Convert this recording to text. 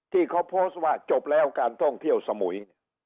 ที่เขาโพสต์ว่าจบแล้วการท่องเที่ยวสมุย